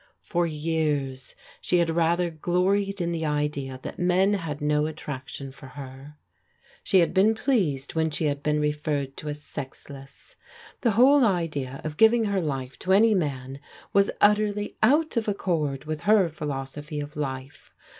For years she had rather gloried in the idea that men had no attraction for her. She had been pleased when she had been referred to as sexless. The whole idea of g\vm<^ her life to any man AT SPUELING AND BINGES 333 was utterly out of accord with her philosophy of life.